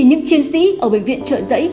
những chiến sĩ ở bệnh viện trợ giấy